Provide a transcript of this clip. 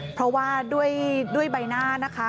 เพราะว่าด้วยใบหน้านะคะ